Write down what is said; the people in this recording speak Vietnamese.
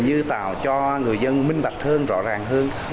nhân minh bạch hơn rõ ràng hơn